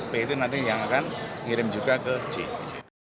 b itu nanti yang akan ngirim juga ke c